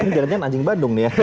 ini jalan jalan anjing bandung nih ya